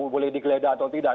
boleh dikeleda atau tidak